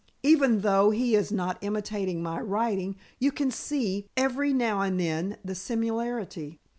Even though he is not imitating my writing, you can see every now and then the similarity.